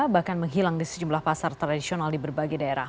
bahkan menghilang di sejumlah pasar tradisional di berbagai daerah